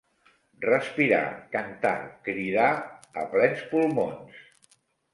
Respirar, cantar, cridar, a plens pulmons.